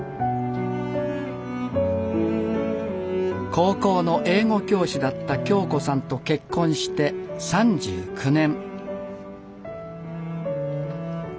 高校の英語教師だった恭子さんと結婚して３９年。